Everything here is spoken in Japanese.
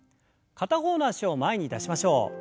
片方の脚を前に出しましょう。